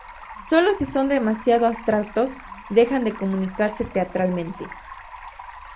Solo si son demasiado abstractos dejan de comunicarse teatralmente.